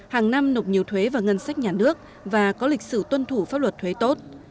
hàng năm nộp nhiều thuế vào ngân sách nhà nước và có lịch sử tuân thủ pháp luật thuế tốt